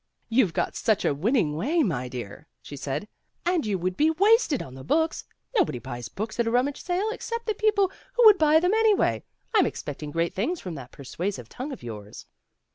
"You've got such a win ning way, my dear," she said, "and you would be wasted on the books. Nobody buys books at a rummage sale except the people who would buy them anyway. I'm expecting great things from that persuasive tongue of yours."